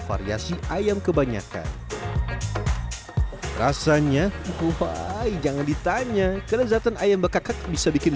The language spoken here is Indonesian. variasi ayam kebanyakan rasanya jangan ditanya kelezatan ayam bakakak bisa bikin